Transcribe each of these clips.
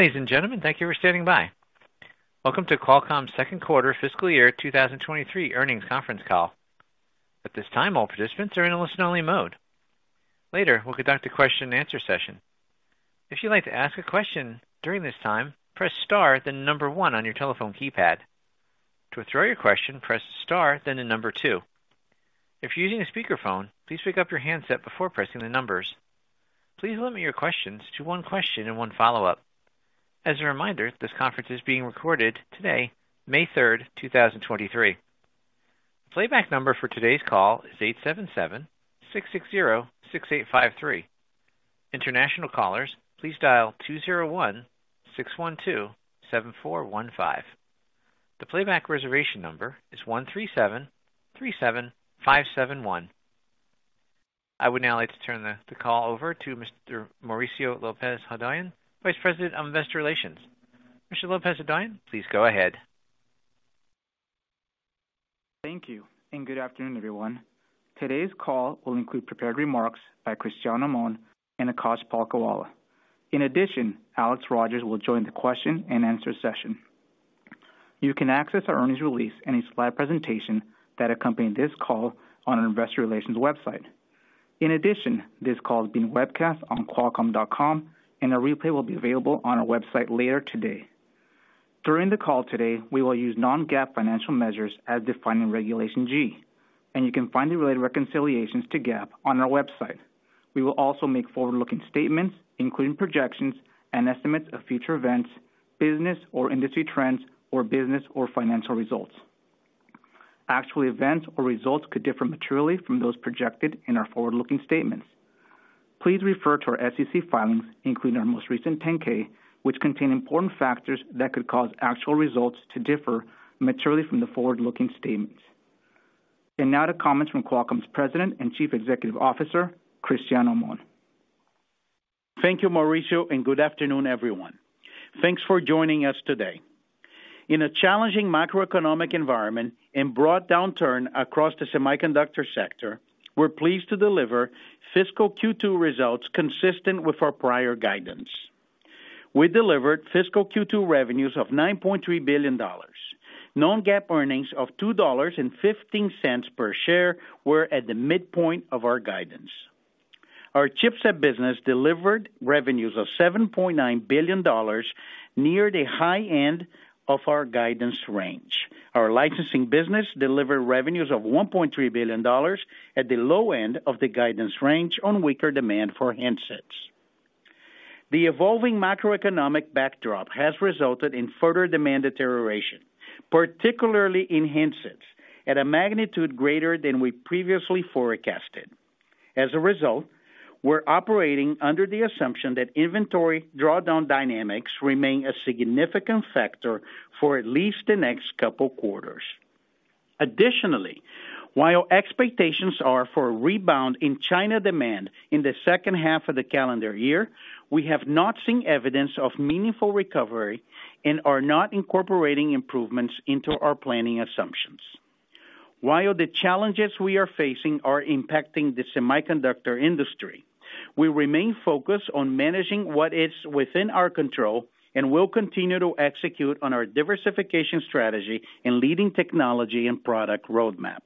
Ladies and gentlemen, thank you for standing by. Welcome to Qualcomm's second quarter fiscal year 2023 earnings conference call. At this time, all participants are in a listen-only mode. Later, we'll conduct a question and answer session. If you'd like to ask a question during this time, press Star, then the 1 on your telephone keypad. To withdraw your question, press Star, then the 2. If you're using a speakerphone, please pick up your handset before pressing the numbers. Please limit your questions to one question and one follow-up. As a reminder, this conference is being recorded today, May third, 2023. Playback number for today's call is 877-660-6853. International callers, please dial 201-612-7415. The playback reservation number is 13737571. I would now like to turn the call over to Mr. Mauricio Lopez-Hodoyan, Vice President of Investor Relations. Mr. Lopez-Hodoyan, please go ahead. Thank you. Good afternoon, everyone. Today's call will include prepared remarks by Cristiano Amon and Akash Palkhiwala. In addition, Alex Rogers will join the question and answer session. You can access our earnings release and its live presentation that accompany this call on our investor relations website. In addition, this call is being webcast on qualcomm.com, and a replay will be available on our website later today. During the call today, we will use non-GAAP financial measures as defining Regulation G, and you can find the related reconciliations to GAAP on our website. We will also make forward-looking statements, including projections and estimates of future events, business or industry trends, or business or financial results. Actual events or results could differ materially from those projected in our forward-looking statements. Please refer to our SEC filings, including our most recent 10-K, which contain important factors that could cause actual results to differ materially from the forward-looking statements. Now to comments from Qualcomm's President and Chief Executive Officer, Cristiano Amon. Thank you, Mauricio, good afternoon, everyone. Thanks for joining us today. In a challenging macroeconomic environment and broad downturn across the semiconductor sector, we're pleased to deliver fiscal Q2 results consistent with our prior guidance. We delivered fiscal Q2 revenues of $9.3 billion. Non-GAAP earnings of $2.15 per share were at the midpoint of our guidance. Our chipset business delivered revenues of $7.9 billion, near the high end of our guidance range. Our licensing business delivered revenues of $1.3 billion at the low end of the guidance range on weaker demand for handsets. The evolving macroeconomic backdrop has resulted in further demand deterioration, particularly in handsets, at a magnitude greater than we previously forecasted. We're operating under the assumption that inventory drawdown dynamics remain a significant factor for at least the next couple quarters. While expectations are for a rebound in China demand in the second half of the calendar year, we have not seen evidence of meaningful recovery and are not incorporating improvements into our planning assumptions. While the challenges we are facing are impacting the semiconductor industry, we remain focused on managing what is within our control and will continue to execute on our diversification strategy and leading technology and product roadmap.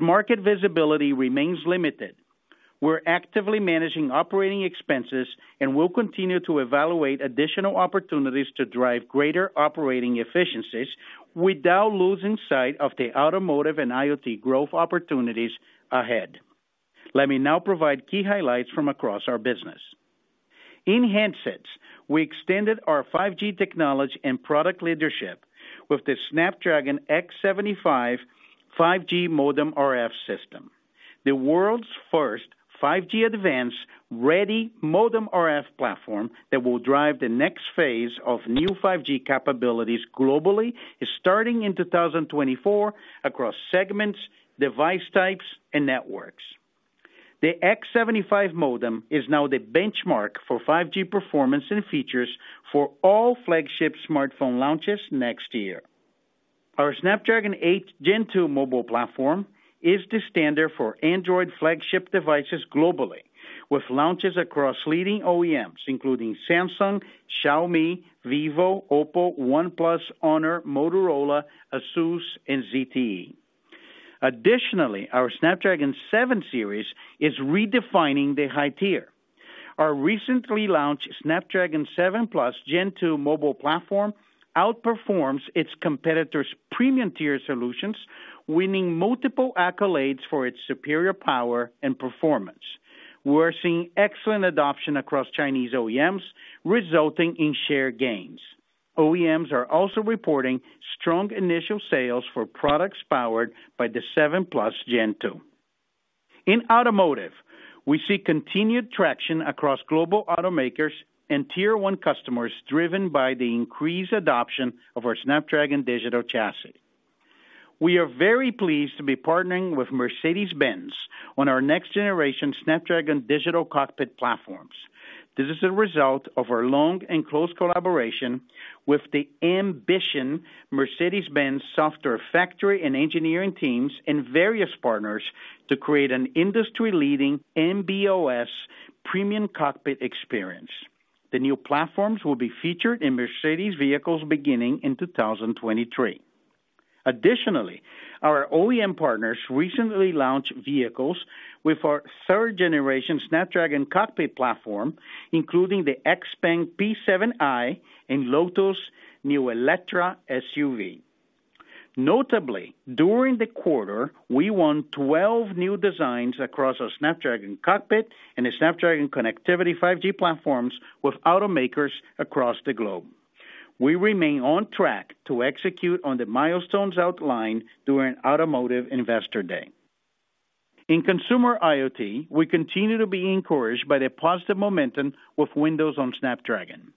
Market visibility remains limited, we're actively managing operating expenses and will continue to evaluate additional opportunities to drive greater operating efficiencies without losing sight of the automotive and IoT growth opportunities ahead. Let me now provide key highlights from across our business. In handsets, we extended our 5G technology and product leadership with the Snapdragon X75 5G Modem-RF System, the world's first 5G Advanced-ready Modem-RF platform that will drive the next phase of new 5G capabilities globally, starting in 2024 across segments, device types, and networks. The X75 modem is now the benchmark for 5G performance and features for all flagship smartphone launches next year. Our Snapdragon 8 Gen 2 mobile platform is the standard for Android flagship devices globally, with launches across leading OEMs, including Samsung, Xiaomi, vivo, Oppo, OnePlus, HONOR, Motorola, ASUS, and ZTE. Our Snapdragon 7 series is redefining the high tier. Our recently launched Snapdragon 7+ Gen 2 mobile platform outperforms its competitors' premium tier solutions, winning multiple accolades for its superior power and performance. We're seeing excellent adoption across Chinese OEMs, resulting in share gains. OEMs are also reporting strong initial sales for products powered by the Snapdragon 7+ Gen 2. In automotive, we see continued traction across global automakers and tier one customers, driven by the increased adoption of our Snapdragon Digital Chassis. We are very pleased to be partnering with Mercedes-Benz on our next-generation Snapdragon Digital Cockpit platforms. This is a result of our long and close collaboration with the ambition Mercedes-Benz software factory and engineering teams and various partners to create an industry-leading MB.OS premium cockpit experience. The new platforms will be featured in Mercedes vehicles beginning in 2023. Additionally, our OEM partners recently launched vehicles with our third-generation Snapdragon Cockpit platform, including the XPeng P7i and Lotus' new Eletre SUV. Notably, during the quarter, we won 12 new designs across our Snapdragon Cockpit and the Snapdragon connectivity 5G platforms with automakers across the globe. We remain on track to execute on the milestones outlined during Automotive Investor Day. In consumer IoT, we continue to be encouraged by the positive momentum with Windows on Snapdragon.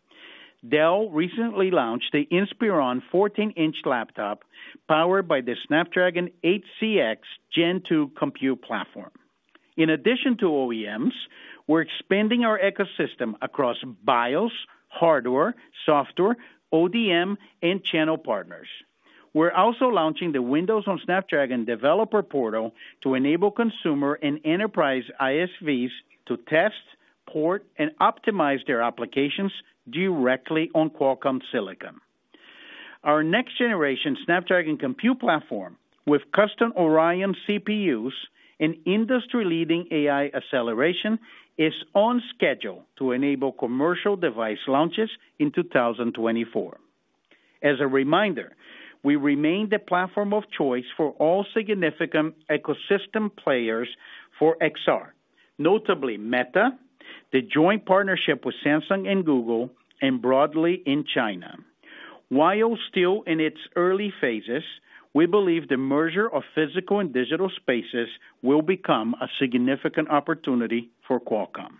Dell recently launched the Inspiron 14-inch laptop powered by the Snapdragon 8cx Gen 2 Compute platform. In addition to OEMs, we're expanding our ecosystem across BIOS, hardware, software, ODM, and channel partners. We're also launching the Windows on Snapdragon developer portal to enable consumer and enterprise ISVs to test, port, and optimize their applications directly on Qualcomm Silicon. Our next-generation Snapdragon compute platform with custom Oryon CPUs and industry-leading AI acceleration is on schedule to enable commercial device launches in 2024. As a reminder, we remain the platform of choice for all significant ecosystem players for XR. Notably Meta, the joint partnership with Samsung and Google, and broadly in China. While still in its early phases, we believe the merger of physical and digital spaces will become a significant opportunity for Qualcomm.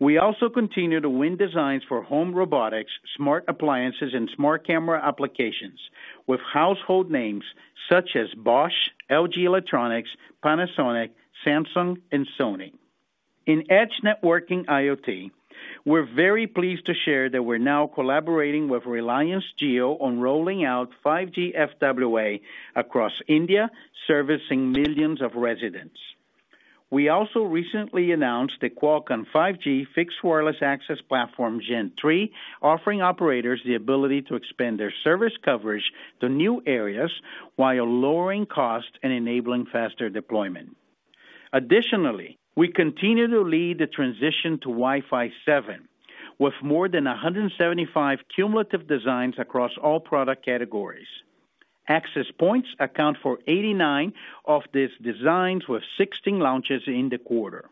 We also continue to win designs for home robotics, smart appliances, and smart camera applications with household names such as Bosch, LG Electronics, Panasonic, Samsung, and Sony. In Edge networking IoT, we're very pleased to share that we're now collaborating with Reliance Jio on rolling out 5G FWA across India, servicing millions of residents. We also recently announced the Qualcomm 5G Fixed Wireless Access Gen 3 Platform, offering operators the ability to expand their service coverage to new areas while lowering costs and enabling faster deployment. We continue to lead the transition to Wi-Fi 7 with more than 175 cumulative designs across all product categories. Access points account for 89 of these designs, with 16 launches in the quarter.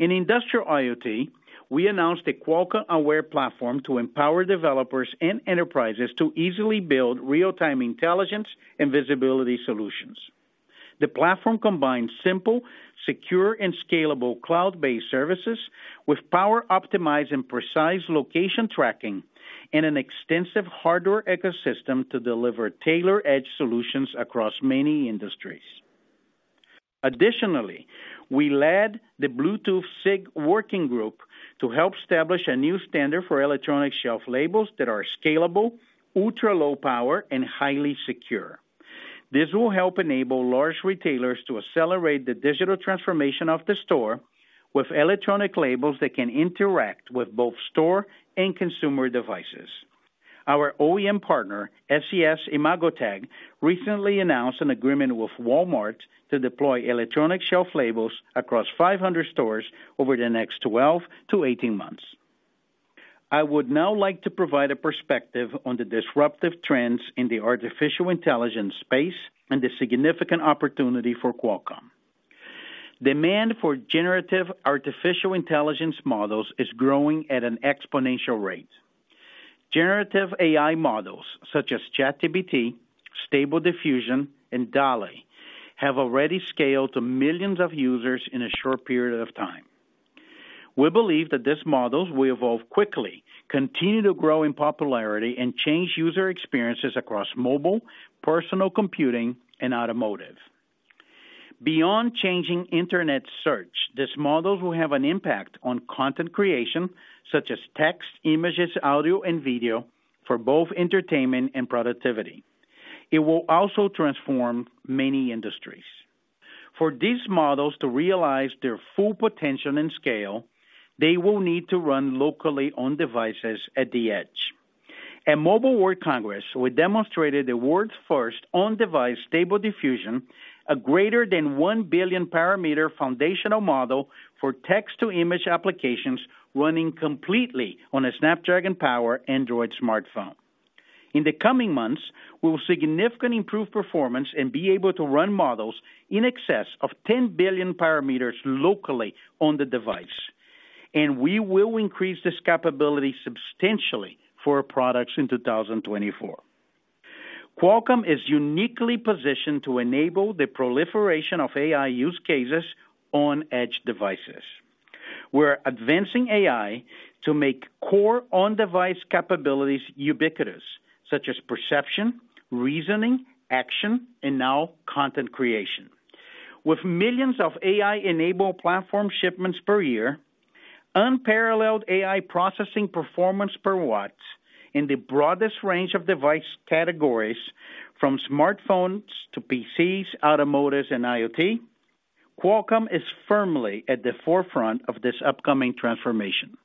In industrial IoT, we announced a Qualcomm Aware platform to empower developers and enterprises to easily build real-time intelligence and visibility solutions. The platform combines simple, secure, and scalable cloud-based services with power optimized and precise location tracking and an extensive hardware ecosystem to deliver tailored edge solutions across many industries. Additionally, we led the Bluetooth SIG working group to help establish a new standard for electronic shelf labels that are scalable, ultra-low power, and highly secure. This will help enable large retailers to accelerate the digital transformation of the store with electronic labels that can interact with both store and consumer devices. Our OEM partner, SES-imagotag, recently announced an agreement with Walmart to deploy electronic shelf labels across 500 stores over the next 12-18 months. I would now like to provide a perspective on the disruptive trends in the artificial intelligence space and the significant opportunity for Qualcomm. Demand for generative artificial intelligence models is growing at an exponential rate. Generative AI models such as ChatGPT, Stable Diffusion, and DALL·E have already scaled to millions of users in a short period of time. We believe that these models will evolve quickly, continue to grow in popularity, and change user experiences across mobile, personal computing, and automotive. Beyond changing internet search, these models will have an impact on content creation such as text, images, audio, and video for both entertainment and productivity. It will also transform many industries. For these models to realize their full potential and scale, they will need to run locally on devices at the edge. At Mobile World Congress, we demonstrated the world's first on-device Stable Diffusion, a greater than 1 billion parameter foundational model for text-to-image applications running completely on a Snapdragon-powered Android smartphone. In the coming months, we will significantly improve performance and be able to run models in excess of 10 billion parameters locally on the device, and we will increase this capability substantially for our products in 2024. Qualcomm is uniquely positioned to enable the proliferation of AI use cases on Edge devices. We're advancing AI to make core on-device capabilities ubiquitous, such as perception, reasoning, action, and now content creation. With millions of AI-enabled platform shipments per year, unparalleled AI processing performance per watt in the broadest range of device categories from smartphones to PCs, automotives, and IoT, Qualcomm is firmly at the forefront of this upcoming transformation.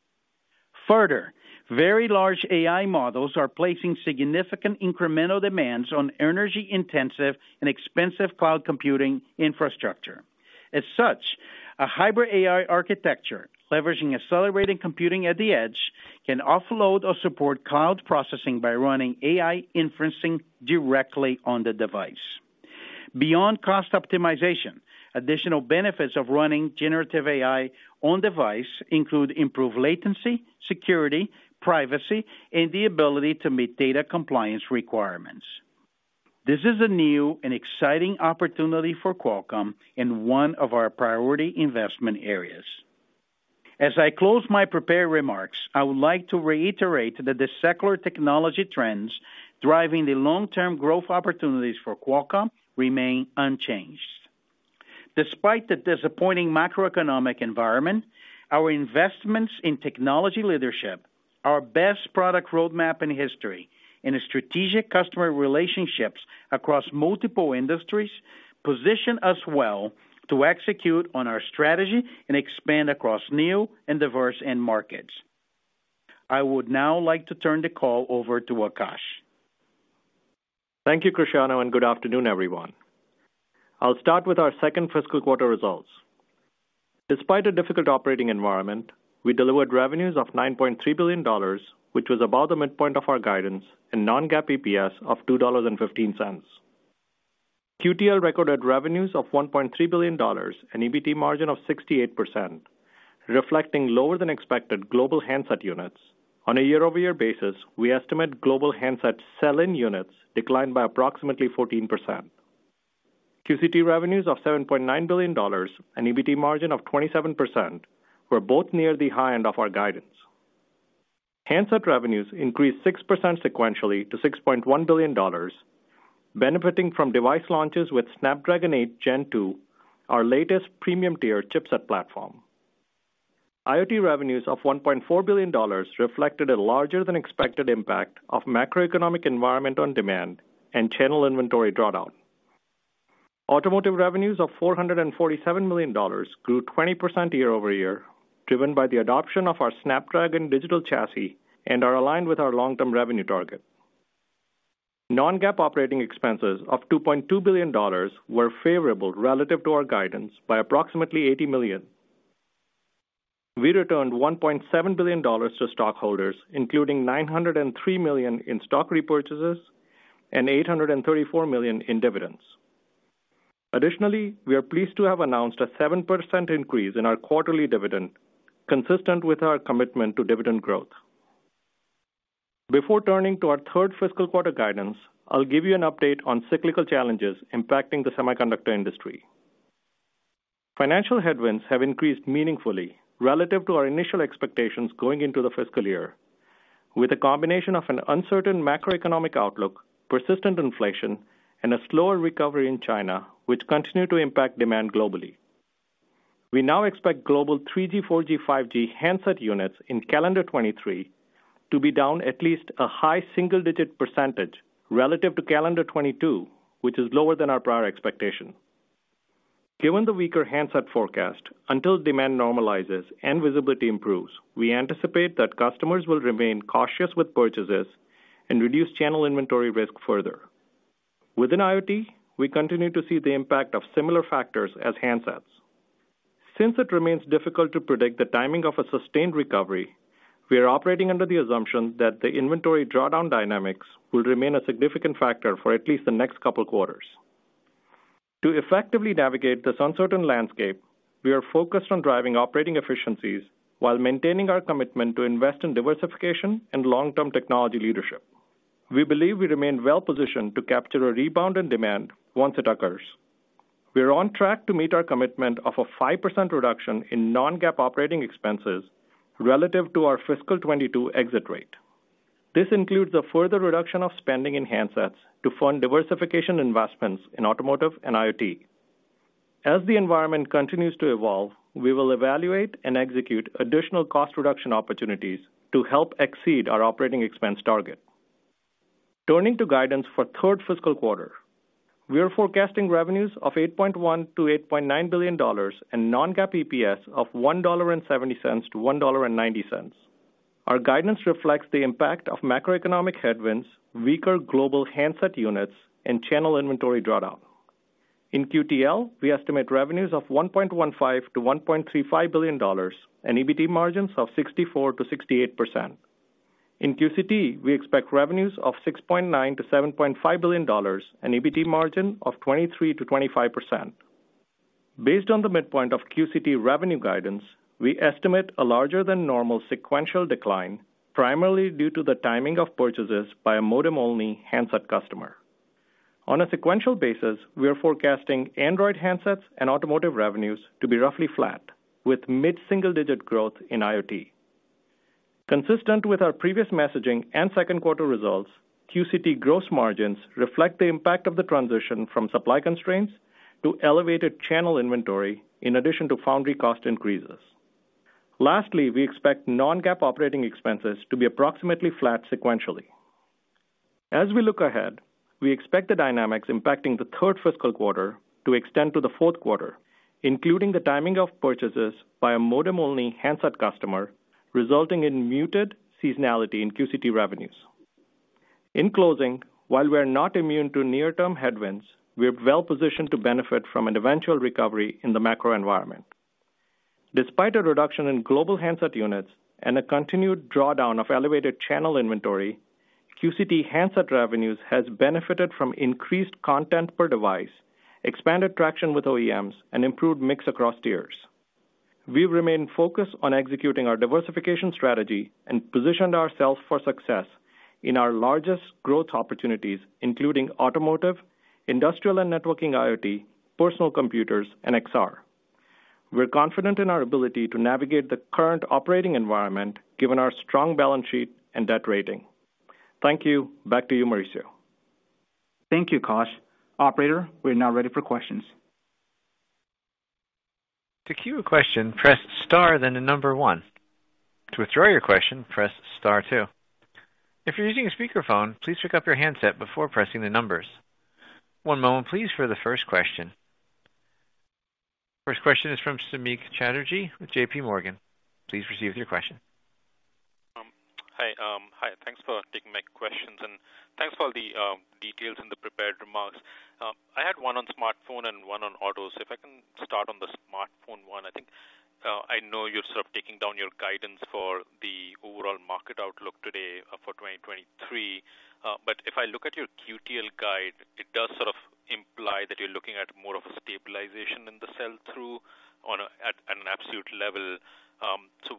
Further, very large AI models are placing significant incremental demands on energy-intensive and expensive cloud computing infrastructure. As such, a hybrid AI architecture, leveraging accelerated computing at the edge, can offload or support cloud processing by running AI inferencing directly on the device. Beyond cost optimization, additional benefits of running generative AI on-device include improved latency, security, privacy, and the ability to meet data compliance requirements. This is a new and exciting opportunity for Qualcomm and one of our priority investment areas. As I close my prepared remarks, I would like to reiterate that the secular technology trends driving the long-term growth opportunities for Qualcomm remain unchanged. Despite the disappointing macroeconomic environment, our investments in technology leadership, our best product roadmap in history, and strategic customer relationships across multiple industries position us well to execute on our strategy and expand across new and diverse end markets. I would now like to turn the call over to Akash. Thank you, Cristiano. Good afternoon, everyone. I'll start with our second fiscal quarter results. Despite a difficult operating environment, we delivered revenues of $9.3 billion, which was above the midpoint of our guidance and non-GAAP EPS of $2.15. QTL recorded revenues of $1.3 billion, an EBT margin of 68%, reflecting lower than expected global handset units. On a year-over-year basis, we estimate global handset sell-in units declined by approximately 14%. QCT revenues of $7.9 billion, an EBT margin of 27%, were both near the high end of our guidance. Handset revenues increased 6% sequentially to $6.1 billion, benefiting from device launches with Snapdragon 8 Gen 2, our latest premium-tier chipset platform. IoT revenues of $1.4 billion reflected a larger than expected impact of macroeconomic environment on demand and channel inventory drawdown. Automotive revenues of $447 million grew 20% year-over-year, driven by the adoption of our Snapdragon Digital Chassis and are aligned with our long-term revenue target. Non-GAAP operating expenses of $2.2 billion were favorable relative to our guidance by approximately $80 million. We returned $1.7 billion to stockholders, including $903 million in stock repurchases and $834 million in dividends. We are pleased to have announced a 7% increase in our quarterly dividend, consistent with our commitment to dividend growth. Before turning to our third fiscal quarter guidance, I'll give you an update on cyclical challenges impacting the semiconductor industry. Financial headwinds have increased meaningfully relative to our initial expectations going into the fiscal year, with a combination of an uncertain macroeconomic outlook, persistent inflation, and a slower recovery in China, which continue to impact demand globally. We now expect global 3G, 4G, 5G handset units in calendar 2023 to be down at least a high single-digit % relative to calendar 2022, which is lower than our prior expectation. Given the weaker handset forecast, until demand normalizes and visibility improves, we anticipate that customers will remain cautious with purchases and reduce channel inventory risk further. Within IoT, we continue to see the impact of similar factors as handsets. Since it remains difficult to predict the timing of a sustained recovery, we are operating under the assumption that the inventory drawdown dynamics will remain a significant factor for at least the next couple quarters. To effectively navigate this uncertain landscape, we are focused on driving operating efficiencies while maintaining our commitment to invest in diversification and long-term technology leadership. We believe we remain well positioned to capture a rebound in demand once it occurs. We are on track to meet our commitment of a 5% reduction in non-GAAP operating expenses relative to our fiscal '22 exit rate. This includes a further reduction of spending in handsets to fund diversification investments in automotive and IoT. As the environment continues to evolve, we will evaluate and execute additional cost reduction opportunities to help exceed our operating expense target. Turning to guidance for third fiscal quarter, we are forecasting revenues of $8.1 billion-$8.9 billion and non-GAAP EPS of $1.70-$1.90. Our guidance reflects the impact of macroeconomic headwinds, weaker global handset units, and channel inventory drawdown. In QTL, we estimate revenues of $1.15 billion-$1.35 billion, an EBT margins of 64%-68%. In QCT, we expect revenues of $6.9 billion-$7.5 billion, an EBT margin of 23%-25%. Based on the midpoint of QCT revenue guidance, we estimate a larger than normal sequential decline, primarily due to the timing of purchases by a modem-only handset customer. On a sequential basis, we are forecasting Android handsets and automotive revenues to be roughly flat with mid-single-digit growth in IoT. Consistent with our previous messaging and second quarter results, QCT gross margins reflect the impact of the transition from supply constraints to elevated channel inventory, in addition to foundry cost increases. Lastly, we expect non-GAAP operating expenses to be approximately flat sequentially. As we look ahead, we expect the dynamics impacting the third fiscal quarter to extend to the fourth quarter, including the timing of purchases by a modem-only handset customer, resulting in muted seasonality in QCT revenues. In closing, while we're not immune to near-term headwinds, we're well-positioned to benefit from an eventual recovery in the macro environment. Despite a reduction in global handset units and a continued drawdown of elevated channel inventory, QCT handset revenues has benefited from increased content per device, expanded traction with OEMs, and improved mix across tiers. We remain focused on executing our diversification strategy and positioned ourselves for success in our largest growth opportunities, including automotive, industrial and networking IoT, personal computers, and XR. We're confident in our ability to navigate the current operating environment given our strong balance sheet and debt rating. Thank you. Back to you, Mauricio. Thank you, Kash. Operator, we're now ready for questions. To queue a question, press star, then the number 1. To withdraw your question, press star 2. If you're using a speakerphone, please pick up your handset before pressing the numbers. 1 moment please for the first question. First question is from Samik Chatterjee with JPMorgan. Please proceed with your question. Hi. Hi, thanks for taking my questions, and thanks for all the details in the prepared remarks. I had one on smartphone and one on autos. If I can start on the smartphone one, I think, I know you're sort of taking down your guidance for the overall market outlook today, for 2023. If I look at your QTL guide, it does sort of imply that you're looking at more of a stabilization in the sell-through at an absolute level.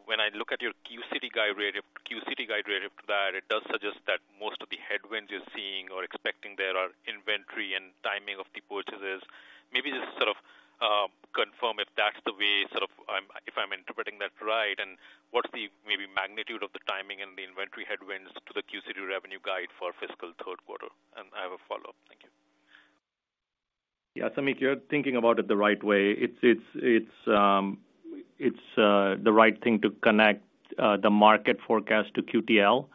When I look at your QCT guide rate relative to that, it does suggest that most of the headwinds you're seeing or expecting there are inventory and timing of the purchases. Maybe just sort of, confirm if that's the way, sort of, if I'm interpreting that right, and what's the maybe magnitude of the timing and the inventory headwinds to the QCT revenue guide for fiscal third quarter? I have a follow-up. Thank you. Yeah. Samik, you're thinking about it the right way. It's the right thing to connect the market forecast to QTL,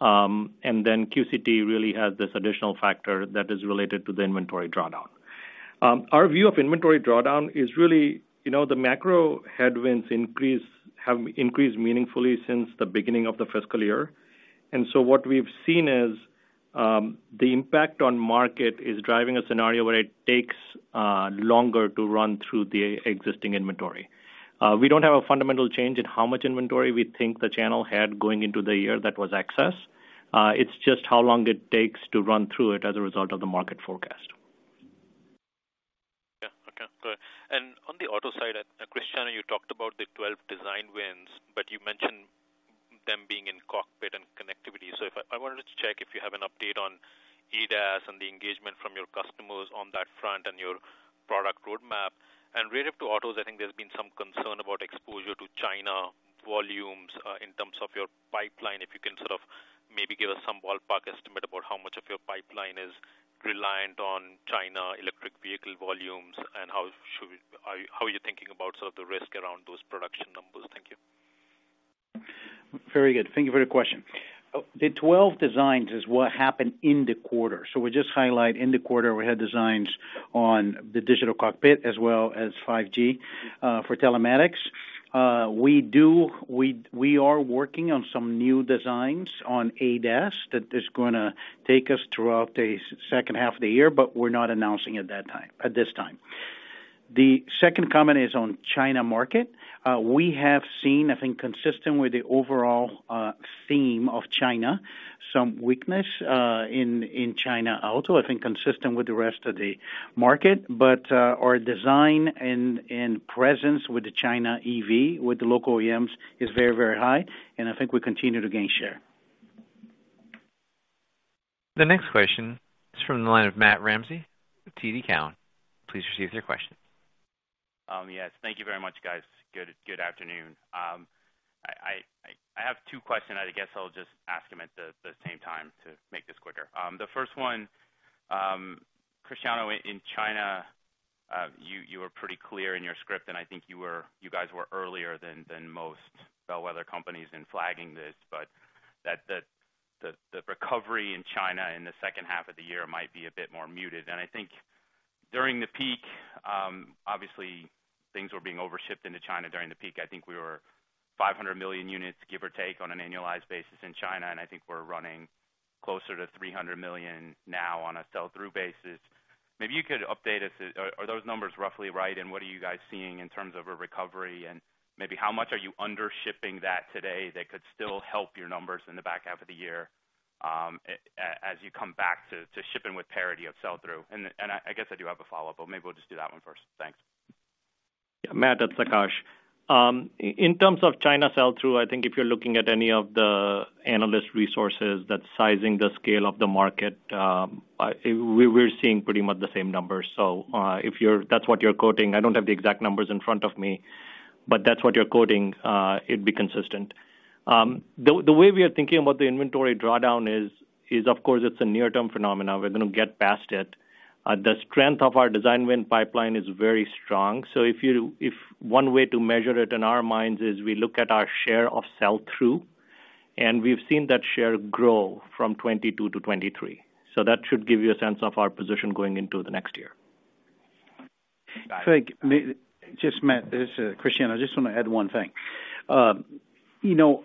and then QCT really has this additional factor that is related to the inventory drawdown. Our view of inventory drawdown is really, you know, the macro headwinds have increased meaningfully since the beginning of the fiscal year. What we've seen is the impact on market is driving a scenario where it takes longer to run through the existing inventory. We don't have a fundamental change in how much inventory we think the channel had going into the year that was excess. It's just how long it takes to run through it as a result of the market forecast. Yeah. Okay. On the auto side, Cristiano Amon, you talked about the 12 design wins, but you mentioned them being in Cockpit and Connectivity. I wanted to check if you have an update on ADAS and the engagement from your customers on that front and your product roadmap. Related to autos, I think there's been some concern about exposure to China volumes in terms of your pipeline. If you can sort of maybe give us some ballpark estimate about how much of your pipeline is reliant on China electric vehicle volumes, and how are you thinking about sort of the risk around those production numbers? Thank you. Very good. Thank you for your question. The 12 designs is what happened in the quarter. We just highlight in the quarter, we had designs on the digital cockpit as well as 5G for telematics. We are working on some new designs on ADAS that is gonna take us throughout the second half of the year, but we're not announcing at that time, this time. The second comment is on China market. We have seen, I think, consistent with the overall theme of China, some weakness in China auto, I think consistent with the rest of the market. Our design and presence with the China EV, with the local OEMs is very, very high, and I think we continue to gain share. The next question is from the line of Matt Ramsay with TD Cowen. Please proceed with your question. Yes, thank you very much, guys. Good afternoon. I have two questions. I guess I'll just ask them at the same time to make this quicker. The first one, Cristiano, in China, you were pretty clear in your script, I think you guys were earlier than most bellwether companies in flagging this, but that the recovery in China in the second half of the year might be a bit more muted. During the peak, obviously things were being over-shipped into China during the peak. I think we were 500 million units, give or take, on an annualized basis in China, I think we're running closer to 300 million now on a sell-through basis. Maybe you could update us, are those numbers roughly right? What are you guys seeing in terms of a recovery? Maybe how much are you under-shipping that today that could still help your numbers in the back half of the year as you come back to shipping with parity of sell-through? I guess I do have a follow-up, but maybe we'll just do that one first. Thanks. Yeah. Matt, it's Akash. In terms of China sell-through, I think if you're looking at any of the analyst resources that's sizing the scale of the market, we're seeing pretty much the same numbers. That's what you're quoting, I don't have the exact numbers in front of me, but that's what you're quoting, it'd be consistent. The way we are thinking about the inventory drawdown is of course it's a near-term phenomena. We're gonna get past it. The strength of our design win pipeline is very strong. If one way to measure it in our minds is we look at our share of sell-through, and we've seen that share grow from 2022 to 2023. That should give you a sense of our position going into the next year. Craig, just Matt, this is Cristiano. I just wanna add one thing. You know,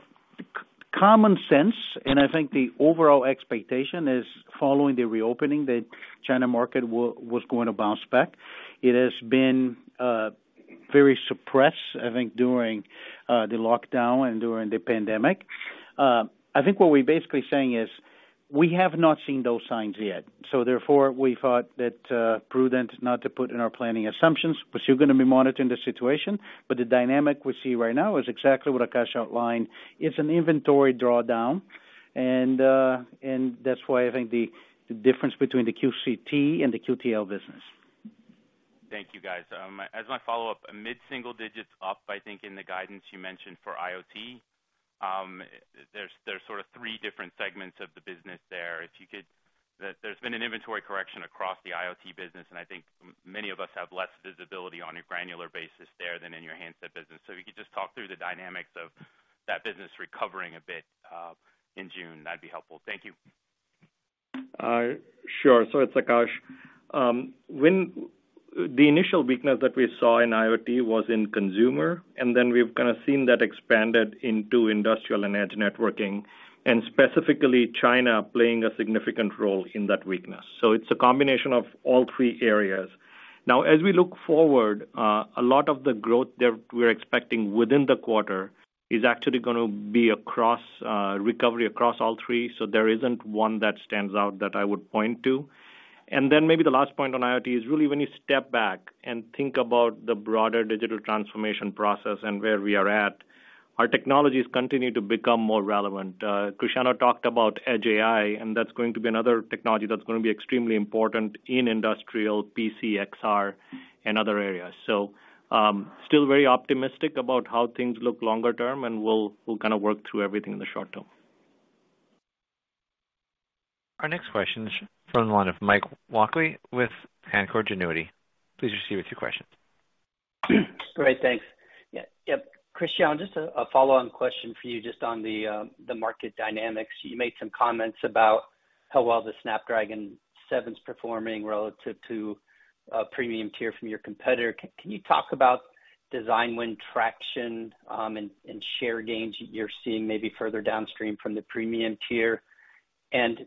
common sense, and I think the overall expectation is following the reopening, the China market was going to bounce back. It has been very suppressed, I think, during the lockdown and during the pandemic. I think what we're basically saying is we have not seen those signs yet, so therefore we thought that prudent not to put in our planning assumptions. We're still gonna be monitoring the situation, but the dynamic we see right now is exactly what Akash outlined. It's an inventory drawdown and that's why I think the difference between the QCT and the QTL business. Thank you, guys. As my follow-up, mid-single digits up, I think, in the guidance you mentioned for IoT. There's sort of three different segments of the business there. There's been an inventory correction across the IoT business, and I think many of us have less visibility on a granular basis there than in your handset business. If you could just talk through the dynamics of that business recovering a bit in June, that'd be helpful. Thank you. Sure. It's Akash. The initial weakness that we saw in IoT was in consumer, and then we've kind of seen that expanded into industrial and edge networking, and specifically China playing a significant role in that weakness. It's a combination of all three areas. As we look forward, a lot of the growth there we're expecting within the quarter is actually gonna be across, recovery across all three, so there isn't one that stands out that I would point to. Maybe the last point on IoT is really when you step back and think about the broader digital transformation process and where we are at, our technologies continue to become more relevant. Cristiano talked about Edge AI, and that's going to be another technology that's gonna be extremely important in industrial PC, XR, and other areas. still very optimistic about how things look longer term, and we'll kinda work through everything in the short term. Our next question is from the line of Mike Walkley with Canaccord Genuity. Please proceed with your questions. Great. Thanks. Yeah. Yep, Cristiano, just a follow-on question for you just on the market dynamics. You made some comments about how well the Snapdragon 7's performing relative to a premium tier from your competitor. Can you talk about design win traction and share gains you're seeing maybe further downstream from the premium tier?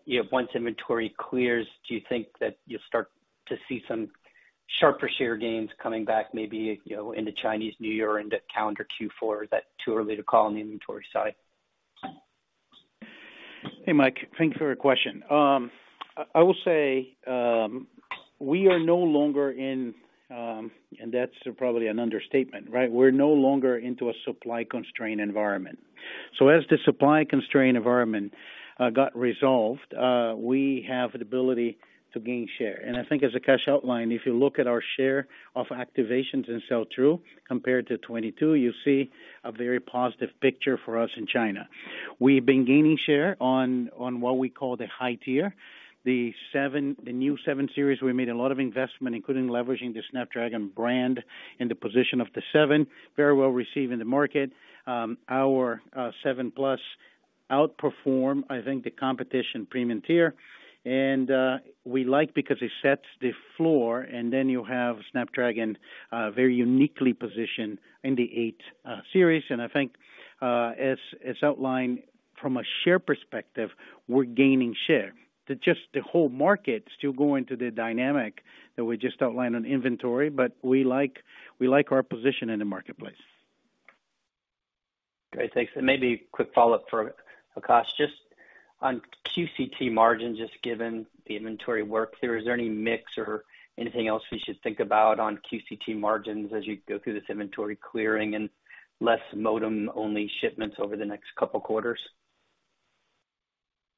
You know, once inventory clears, do you think that you'll start to see some sharper share gains coming back maybe, you know, into Chinese New Year into calendar Q4? Is that too early to call on the inventory side? Hey, Mike. Thank you for your question. I will say, we are no longer in, and that's probably an understatement, right? We're no longer into a supply-constrained environment. As the supply-constrained environment got resolved, we have the ability to gain share. I think as Akash outlined, if you look at our share of activations and sell-through compared to 22, you see a very positive picture for us in China. We've been gaining share on what we call the high tier. The 7, the new 7 series, we made a lot of investment, including leveraging the Snapdragon brand in the position of the 7. Very well received in the market. Our 7+ outperform, I think, the competition premium tier. We like because it sets the floor, and then you have Snapdragon very uniquely positioned in the 8 series. I think as outlined from a share perspective, we're gaining share. Just the whole market still going through the dynamic that we just outlined on inventory, but we like our position in the marketplace. Great. Thanks. Maybe quick follow-up for Akash. Just on QCT margin, just given the inventory work there, is there any mix or anything else we should think about on QCT margins as you go through this inventory clearing and less modem-only shipments over the next couple quarters?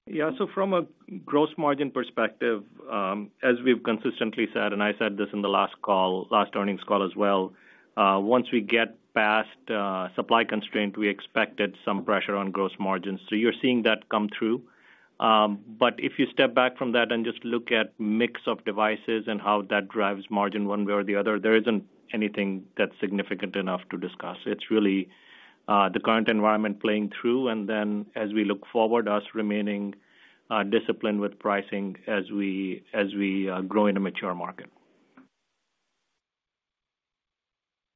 Yeah. From a gross margin perspective, as we've consistently said, and I said this in the last call, last earnings call as well, once we get past supply constraint, we expected some pressure on gross margins. You're seeing that come through. If you step back from that and just look at mix of devices and how that drives margin one way or the other, there isn't anything that's significant enough to discuss. It's really the current environment playing through, and then as we look forward, us remaining disciplined with pricing as we grow in a mature market.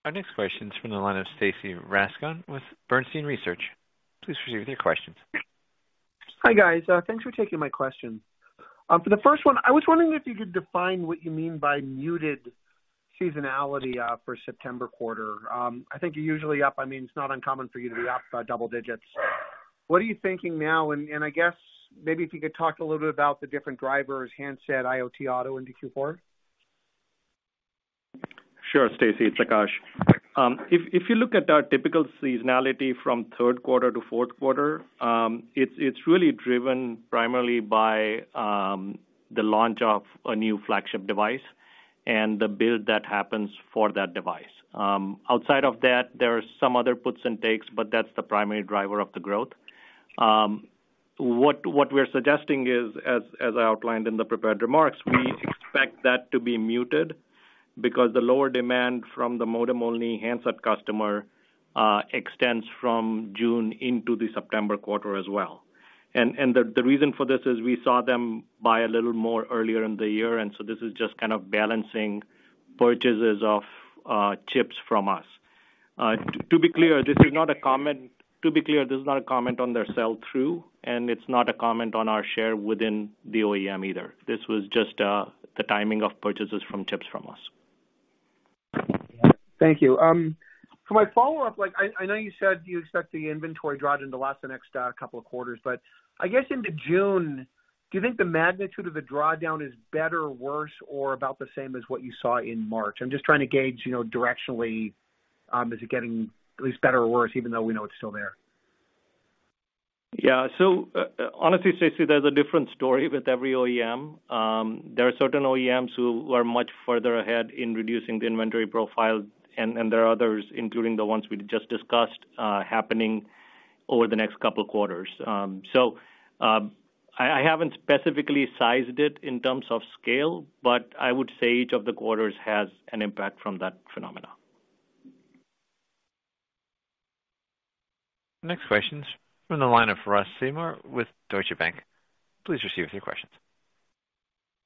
Our next question is from the line of Stacy Rasgon with Bernstein Research. Please proceed with your questions. Hi, guys. Thanks for taking my questions. For the first one, I was wondering if you could define what you mean by muted seasonality for September quarter. I think you're usually up. I mean, it's not uncommon for you to be up double digits. What are you thinking now? I guess maybe if you could talk a little bit about the different drivers, handset, IoT, auto into Q4. Sure, Stacy. It's Akash. If you look at our typical seasonality from third quarter to fourth quarter, it's really driven primarily by the launch of a new flagship device and the build that happens for that device. Outside of that, there are some other puts and takes, but that's the primary driver of the growth. What we're suggesting is, as I outlined in the prepared remarks, we expect that to be muted because the lower demand from the modem-only handset customer extends from June into the September quarter as well. The reason for this is we saw them buy a little more earlier in the year, this is just kind of balancing purchases of chips from us. To be clear, this is not a comment, to be clear, this is not a comment on their sell-through, and it's not a comment on our share within the OEM either. This was just the timing of purchases from chips from us. Thank you. For my follow-up, like I know you said you expect the inventory drawdown to last the next couple of quarters, I guess into June, do you think the magnitude of the drawdown is better or worse or about the same as what you saw in March? I'm just trying to gauge, you know, directionally, is it getting at least better or worse, even though we know it's still there? Honestly, Stacy, there's a different story with every OEM. There are certain OEMs who are much further ahead in reducing the inventory profile and there are others, including the ones we just discussed, happening over the next couple of quarters. I haven't specifically sized it in terms of scale, but I would say each of the quarters has an impact from that phenomena. Next question's from the line of Ross Seymore with Deutsche Bank. Please proceed with your questions.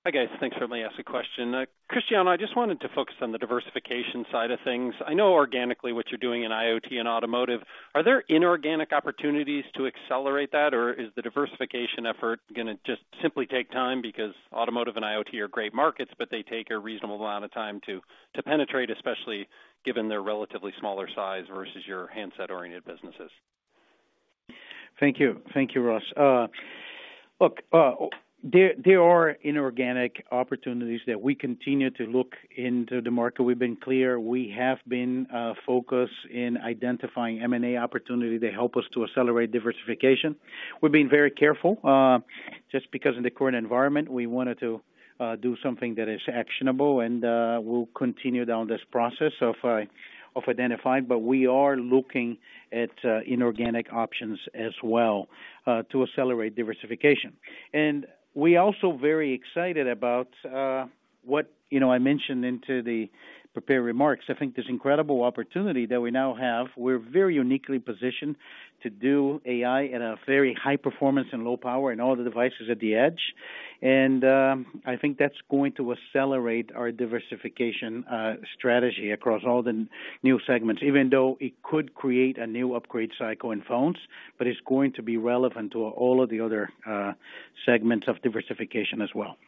Hi, guys. Thanks for letting me ask a question. Cristiano, I just wanted to focus on the diversification side of things. I know organically what you're doing in IoT and automotive. Are there inorganic opportunities to accelerate that, or is the diversification effort gonna just simply take time because automotive and IoT are great markets, but they take a reasonable amount of time to penetrate, especially given their relatively smaller size versus your handset-oriented businesses? Thank you. Thank you, Ross. Look, there are inorganic opportunities that we continue to look into the market. We've been clear, we have been focused in identifying M&A opportunity to help us to accelerate diversification. We've been very careful just because of the current environment. We wanted to do something that is actionable and we'll continue down this process of identifying. We are looking at inorganic options as well to accelerate diversification. We're also very excited about what, you know, I mentioned into the prepared remarks. I think this incredible opportunity that we now have, we're very uniquely positioned to do AI at a very high performance and low power in all the devices at the edge. I think that's going to accelerate our diversification strategy across all the new segments, even though it could create a new upgrade cycle in phones, but it's going to be relevant to all of the other segments of diversification as well.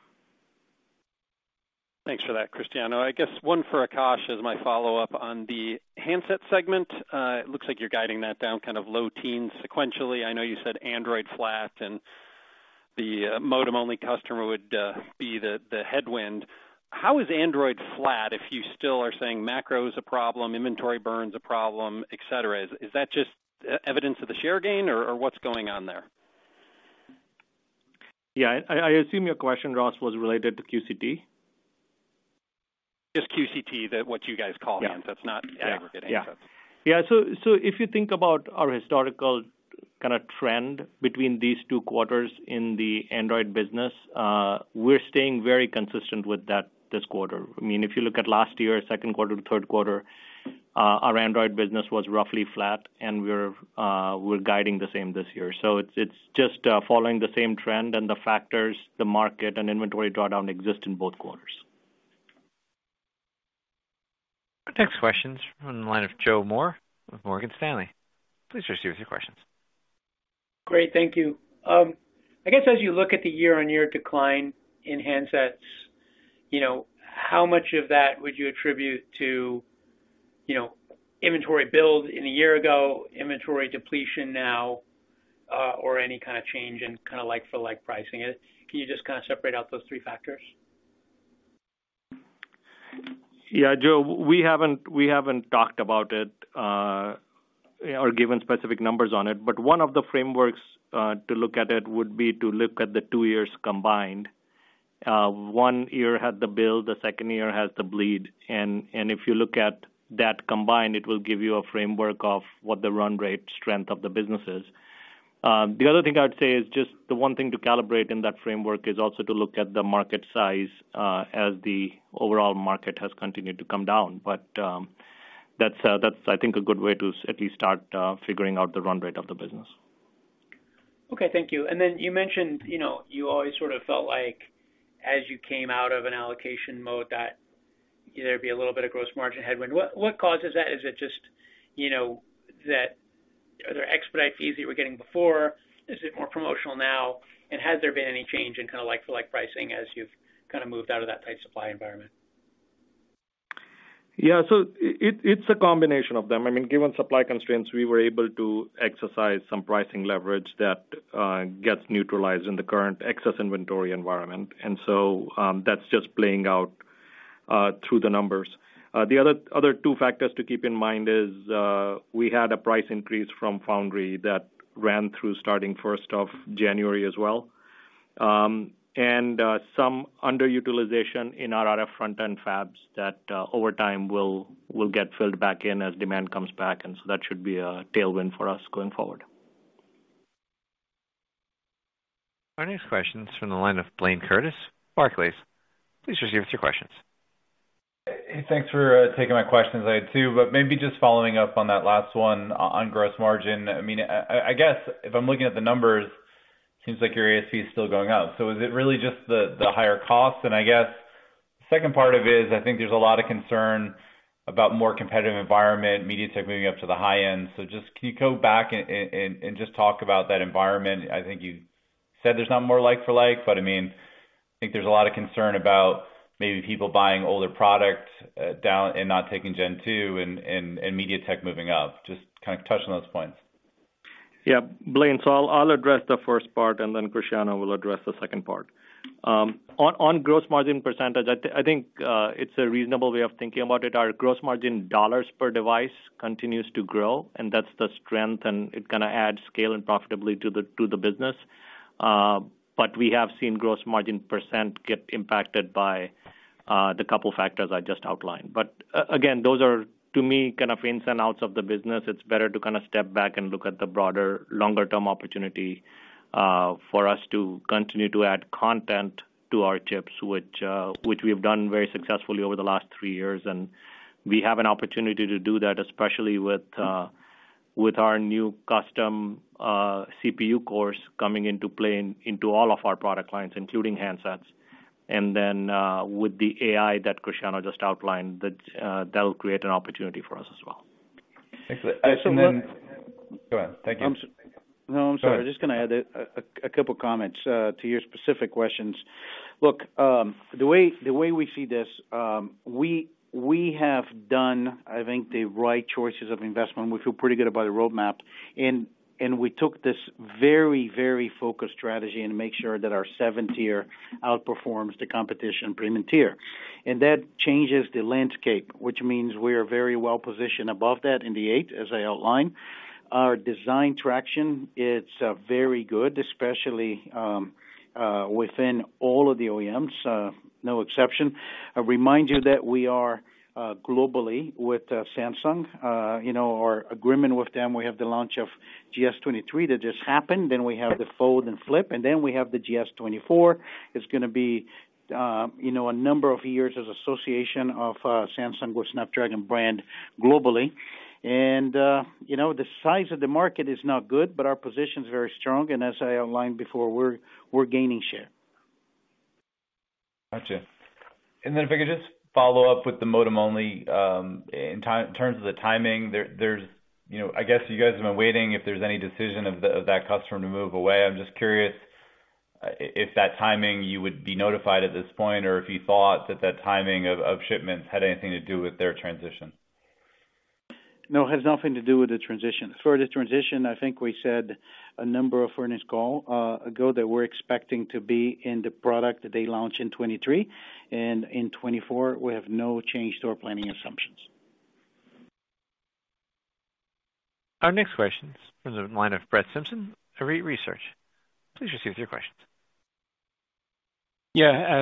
Thanks for that, Cristiano. I guess one for Akash as my follow-up on the handset segment. It looks like you're guiding that down kind of low teens sequentially. I know you said Android flat and the modem-only customer would be the headwind. How is Android flat if you still are saying macro is a problem, inventory burn's a problem, et cetera? Is that just evidence of the share gain or what's going on there? Yeah. I assume your question, Ross, was related to QCT. Just QCT, the, what you guys call handsets, not aggregating handsets. Yeah. Yeah. If you think about our historical kinda trend between these two quarters in the Android business, we're staying very consistent with that this quarter. I mean, if you look at last year, second quarter to third quarter, our Android business was roughly flat and we're guiding the same this year. It's just following the same trend and the factors, the market and inventory drawdown exist in both quarters. Our next question's from the line of Joe Moore with Morgan Stanley. Please proceed with your questions. Great, thank you. I guess as you look at the year-on-year decline in handsets, you know, how much of that would you attribute to, you know, inventory build in a year ago, inventory depletion now, or any kind of change in kinda like-for-like pricing? Can you just kinda separate out those three factors? Yeah, Joe, we haven't talked about it, or given specific numbers on it, but one of the frameworks, to look at it would be to look at the two years combined. One year had the build, the second year has the bleed. If you look at that combined, it will give you a framework of what the run rate strength of the business is. The other thing I'd say is just the one thing to calibrate in that framework is also to look at the market size, as the overall market has continued to come down. That's I think a good way to at least start, figuring out the run rate of the business. Okay, thank you. Then you mentioned, you know, you always sort of felt like as you came out of an allocation mode that there'd be a little bit of gross margin headwind. What causes that? Is it just, you know, that are there expedite fees that you were getting before? Is it more promotional now? Has there been any change in kinda like-for-like pricing as you've kinda moved out of that tight supply environment? Yeah. It's a combination of them. I mean, given supply constraints, we were able to exercise some pricing leverage that gets neutralized in the current excess inventory environment. That's just playing out through the numbers. The other two factors to keep in mind is we had a price increase from foundry that ran through starting first of January as well. Some underutilization in our RF front-end fabs that over time will get filled back in as demand comes back, and so that should be a tailwind for us going forward. Our next question's from the line of Blayne Curtis, Barclays. Please proceed with your questions. Hey, thanks for taking my questions. I had 2. Maybe just following up on that last one on gross margin. I mean, I guess if I'm looking at the numbers, seems like your ASP is still going up. Is it really just the higher cost? I guess second part of it is, I think there's a lot of concern about more competitive environment, MediaTek moving up to the high end. Just can you go back and just talk about that environment? I think you said there's not more like for like, but I mean, I think there's a lot of concern about maybe people buying older products down and not taking Gen 2 and MediaTek moving up. Just kind of touch on those points. Blayne, so I'll address the first part and then Cristiano will address the second part. On gross margin percentage, I think it's a reasonable way of thinking about it. Our gross margin dollars per device continues to grow, and that's the strength, and it's gonna add scale and profitably to the business. We have seen gross margin percent get impacted by the couple factors I just outlined. Again, those are, to me, kind of ins and outs of the business. It's better to kinda step back and look at the broader, longer term opportunity for us to continue to add content to our chips, which we have done very successfully over the last three years. We have an opportunity to do that, especially with our new custom CPU cores coming into play into all of our product lines, including handsets. With the AI that Cristiano just outlined, that will create an opportunity for us as well. Excellent. What? Go ahead. Thank you. No, I'm sorry. Go ahead. I'm just gonna add a couple of comments to your specific questions. Look, the way we see this, we have done, I think, the right choices of investment. We feel pretty good about the roadmap and we took this very, very focused strategy and make sure that our seven tier outperforms the competition premium tier. That changes the landscape, which means we are very well positioned above that in the eight, as I outlined. Our design traction, it's very good, especially within all of the OEMs, no exception. I remind you that we are globally with Samsung. You know, our agreement with them, we have the launch of S23 that just happened, then we have the Fold and Flip, and then we have the S24. It's gonna be, you know, a number of years as association of Samsung with Snapdragon brand globally. You know, the size of the market is not good, but our position is very strong. As I outlined before, we're gaining share. Gotcha. If I could just follow up with the modem-only, in terms of the timing there's, you know, I guess you guys have been waiting if there's any decision of that customer to move away. I'm just curious if that timing you would be notified at this point, or if you thought that that timing of shipments had anything to do with their transition. No, it has nothing to do with the transition. For the transition, I think we said a number of earnings call ago that we're expecting to be in the product that they launch in 2023 and in 2024, we have no change to our planning assumptions. Our next question is from the line of Brett Simpson, Arete Research. Please receive your questions.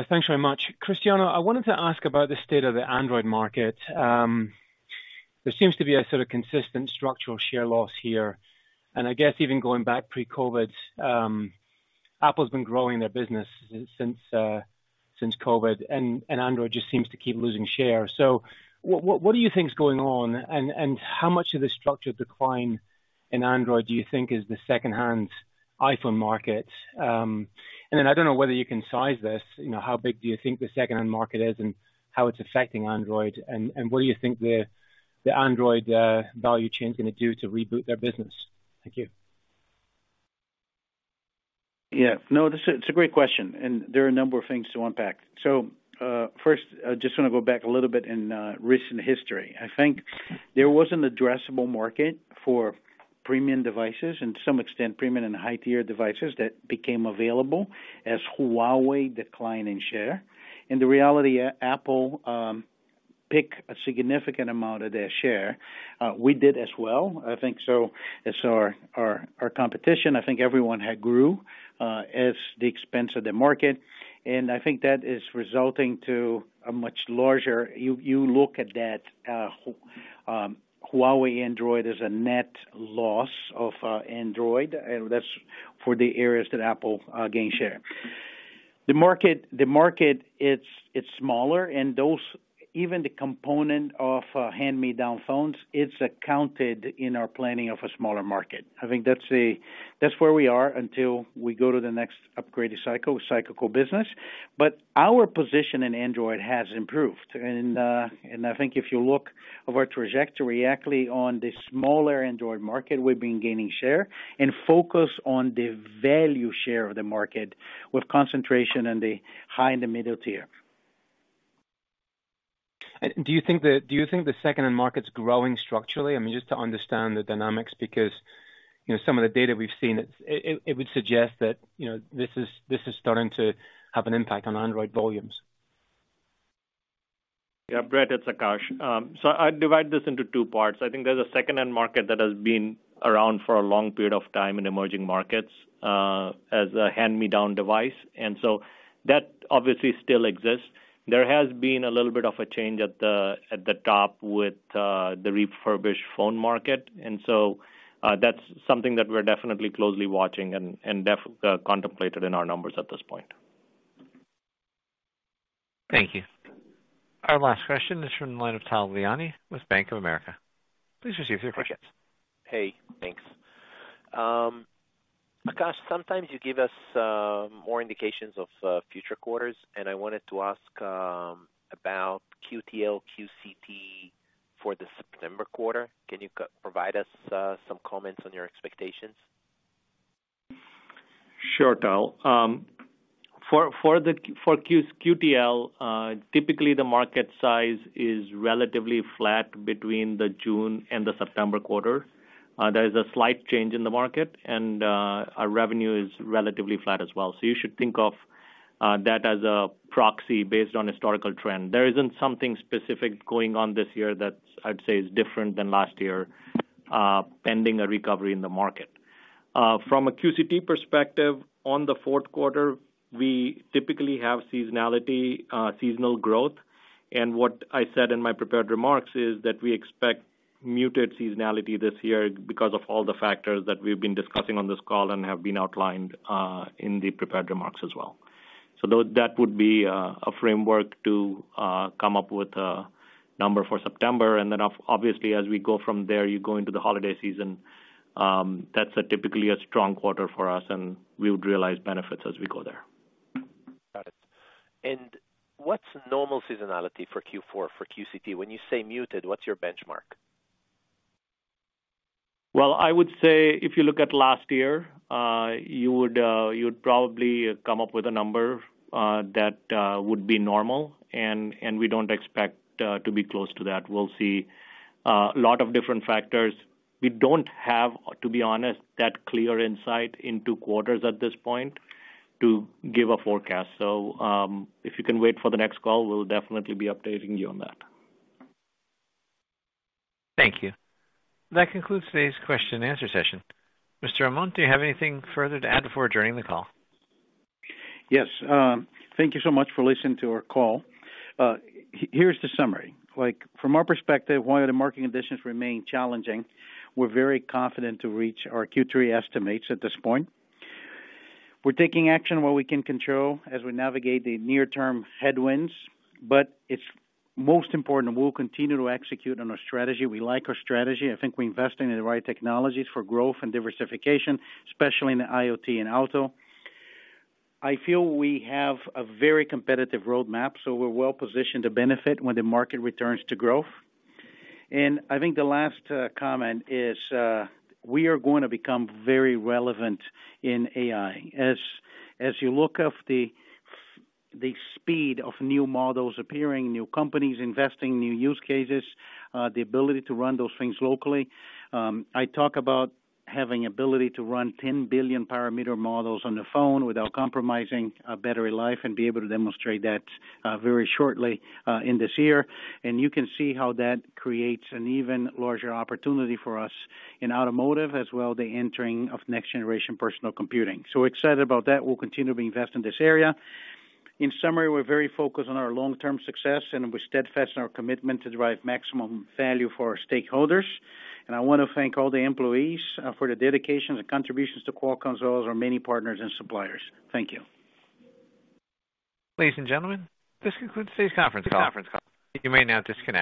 Thanks very much. Cristiano, I wanted to ask about the state of the Android market. There seems to be a sort of consistent structural share loss here, and I guess even going back pre-COVID, Apple's been growing their business since COVID, and Android just seems to keep losing share. What do you think is going on and how much of the structured decline in Android do you think is the second-hand iPhone market? I don't know whether you can size this, you know, how big do you think the second-hand market is and how it's affecting Android, and what do you think the Android value chain's gonna do to reboot their business? Thank you. No, this is a great question. There are a number of things to unpack. First, I just wanna go back a little bit in recent history. I think there was an addressable market for premium devices. To some extent, premium and high-tier devices that became available as Huawei declined in share. In the reality, Apple pick a significant amount of their share. We did as well. I think so. Our competition, I think everyone had grew as the expense of the market. I think that is resulting to a much larger. You look at that, Huawei Android is a net loss of Android, that's for the areas that Apple gain share. The market, it's smaller, and those, even the component of hand-me-down phones, it's accounted in our planning of a smaller market. I think that's where we are until we go to the next upgraded cycle, cyclical business. Our position in Android has improved. I think if you look of our trajectory, actually on the smaller Android market, we've been gaining share and focus on the value share of the market with concentration in the high and the middle tier. Do you think the second-hand market's growing structurally? I mean, just to understand the dynamics, because, you know, some of the data we've seen, it would suggest that, you know, this is starting to have an impact on Android volumes. Yeah. Brett, it's Akash. I divide this into two parts. I think there's a second-hand market that has been around for a long period of time in emerging markets, as a hand-me-down device, that obviously still exists. There has been a little bit of a change at the top with the refurbished phone market, that's something that we're definitely closely watching and contemplated in our numbers at this point. Thank you. Our last question is from the line of Tal Liani with Bank of America. Please receive your questions. Hey, thanks. Akash, sometimes you give us more indications of future quarters, I wanted to ask about QTL/QCT for the September quarter. Can you co-provide us some comments on your expectations? Sure, Tal. For the QTL, typically the market size is relatively flat between the June and the September quarter. There is a slight change in the market, and our revenue is relatively flat as well. You should think of that as a proxy based on historical trend. There isn't something specific going on this year that I'd say is different than last year, pending a recovery in the market. From a QCT perspective, on the fourth quarter, we typically have seasonality, seasonal growth. What I said in my prepared remarks is that we expect muted seasonality this year because of all the factors that we've been discussing on this call and have been outlined in the prepared remarks as well. That would be a framework to come up with a number for September. Obviously as we go from there, you go into the holiday season, that's a typically a strong quarter for us and we would realize benefits as we go there. Got it. What's normal seasonality for Q4 for QCT? When you say muted, what's your benchmark? Well, I would say if you look at last year, you would probably come up with a number that would be normal. We don't expect to be close to that. We'll see, lot of different factors. We don't have, to be honest, that clear insight into quarters at this point to give a forecast. If you can wait for the next call, we'll definitely be updating you on that. Thank you. That concludes today's question and answer session. Mr. Amon, do you have anything further to add before adjourning the call? Yes. Thank you so much for listening to our call. Here's the summary. Like, from our perspective, while the market conditions remain challenging, we're very confident to reach our Q3 estimates at this point. We're taking action what we can control as we navigate the near term headwinds, but it's most important, we'll continue to execute on our strategy. We like our strategy. I think we invest in the right technologies for growth and diversification, especially in the IoT and auto. I feel we have a very competitive roadmap, so we're well positioned to benefit when the market returns to growth. I think the last comment is we are gonna become very relevant in AI. As you look up the speed of new models appearing, new companies investing, new use cases, the ability to run those things locally. I talk about having ability to run 10 billion parameter models on the phone without compromising battery life and be able to demonstrate that very shortly in this year. You can see how that creates an even larger opportunity for us in automotive as well, the entering of next generation personal computing. We're excited about that. We'll continue to invest in this area. In summary, we're very focused on our long-term success and we're steadfast in our commitment to drive maximum value for our stakeholders. I wanna thank all the employees for the dedication, the contributions to Qualcomm, as well as our many partners and suppliers. Thank you. Ladies and gentlemen, this concludes today's conference call. You may now disconnect.